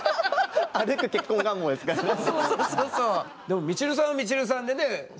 でもみちるさんはみちるさんでね。